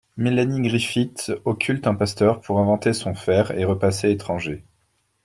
Melanie Griffith occulte un pasteur pour inventer son fer à repasser étranger.